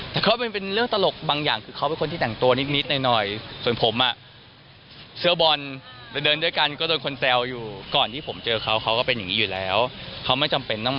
จะเชื้อบอลแดนและเดินด้วยกันก็ได้คนแซวอยู่ก่อนที่ผมเจอเขาเขาก็เป็นอย่างนี้อยู่แล้วเขามักจำเป็นทำมา